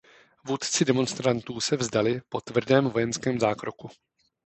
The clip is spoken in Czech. Vůdci demonstrantů se vzdali po tvrdém vojenském zákroku.